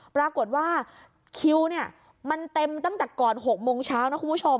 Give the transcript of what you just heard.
ปรากฏว่าคิวเนี่ยมันเต็มตั้งแต่ก่อน๖โมงเช้านะคุณผู้ชม